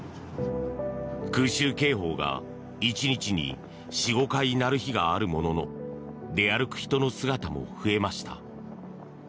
空襲警報が１日に４５回鳴る日があるものの出歩く人の姿も増えました。